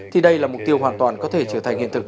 thì đây là mục tiêu hoàn toàn có thể trở thành hiện thực